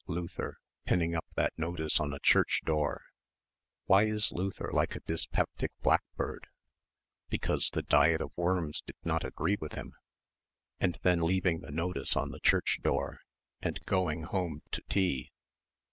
Luther ... pinning up that notice on a church door.... (Why is Luther like a dyspeptic blackbird? Because the Diet of Worms did not agree with him) ... and then leaving the notice on the church door and going home to tea